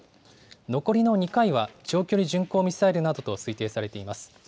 残りの２回は長距離巡航ミサイルなどと推定されています。